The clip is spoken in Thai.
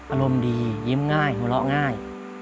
อารมณ์ดียิ้มง่ายหัวเราะง่าย